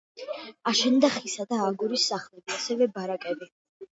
აშენდა ხისა და აგურის სახლები, ასევე ბარაკები.